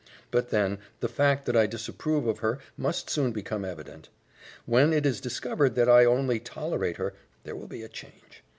But then, the fact that I disapprove of her must soon become evident. When it is discovered that I only tolerate her, there will be a change.